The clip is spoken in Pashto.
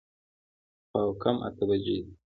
پاو کم اته بجې وې.